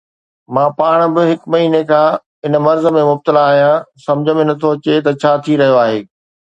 مان پاڻ به هڪ مهيني کان هن مرض ۾ مبتلا آهيان، سمجهه ۾ نٿو اچي ته ڇا ٿي رهيو آهي.